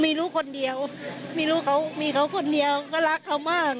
มีลูกคนเดียวมีเขาคนเดียวก็รักเขามาก